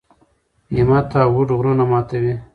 همت او هوډ غرونه ماتوي.